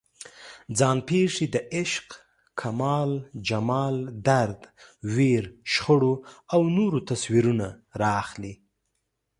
ځان پېښې د عشق، کمال، جمال، درد، ویر، شخړو او نورو تصویرونه راخلي.